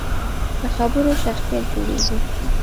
له خبرو شخصیت جوړېږي.